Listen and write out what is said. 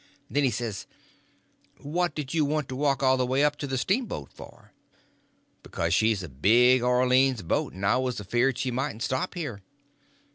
Then he says: "What did you want to walk all the way up to the steamboat for?" "Because she's a big Orleans boat, and I was afeard she mightn't stop there.